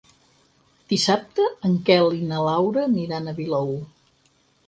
Dissabte en Quel i na Laura aniran a Vilaür.